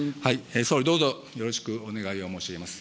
総理、どうぞよろしくお願いを申し上げます。